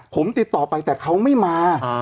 ผมติดต่อไปแต่เขาไม่มา